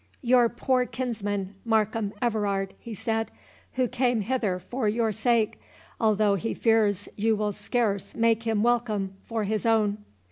"Your poor kinsman, Markham Everard," he said, "who came hither for your sake, although he fears you will scarce make him welcome for his own."